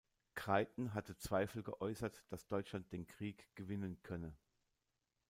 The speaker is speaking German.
Kreiten hatte Zweifel geäußert, dass Deutschland den Krieg gewinnen könne.